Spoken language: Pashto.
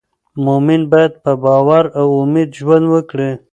مؤمن باید په باور او امید ژوند وکړي.